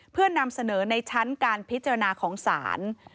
เพื่อนำเสนอในชั้นการพิจารณาของศาล